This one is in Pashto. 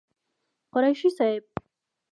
قريشي صاحب